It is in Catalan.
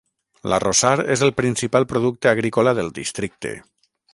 L'arrossar és el principal producte agrícola del districte.